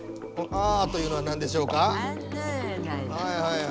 「ああ」というのはなんでしょうか？